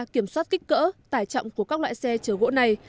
kiểm soát kích cỡ tải trọng của các loại xe chở gỗ này